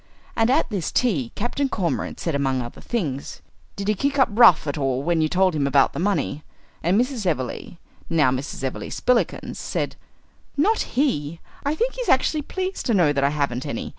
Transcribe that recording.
And at this tea Captain Cormorant said, among other things, "Did he kick up rough at all when you told him about the money?" And Mrs. Everleigh, now Mrs. Everleigh Spillikins, said, "Not he! I think he is actually pleased to know that I haven't any.